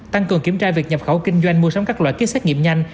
tăng cường kiểm tra việc nhập khẩu kinh doanh mua sắm các loại ký xét nghiệm nhanh